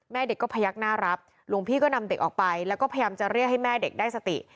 เด็กก็พยักหน้ารับหลวงพี่ก็นำเด็กออกไปแล้วก็พยายามจะเรียกให้แม่เด็กได้สติ